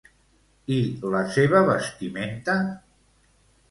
I la seva vestimenta?